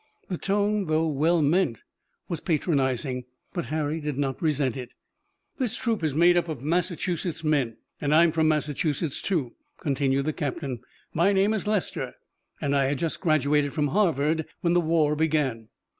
The tone, though well meant, was patronizing, but Harry did not resent it. "This troop is made up of Massachusetts men, and I'm from Massachusetts too," continued the captain. "My name is Lester, and I had just graduated from Harvard when the war began."